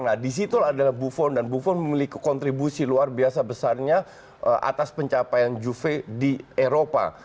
nah disitu adalah buffon dan buffon memiliki kontribusi luar biasa besarnya atas pencapaian juve di eropa